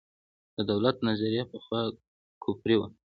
د دولت نظریه پخوا کفري وه.